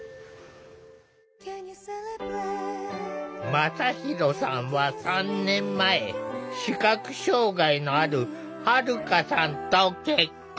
真大さんは３年前視覚障害のあるはるかさんと結婚。